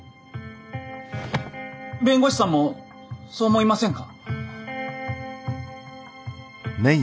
弁護士さんもそう思いませんか？